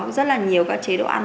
rất là nhiều các chế độ ăn